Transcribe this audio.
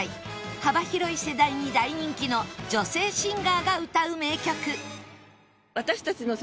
幅広い世代に大人気の女性シンガーが歌う名曲